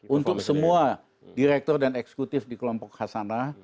untuk semua direktur dan eksekutif di kelompok hasanah